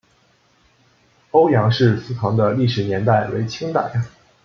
欧阳氏祠堂的历史年代为清代。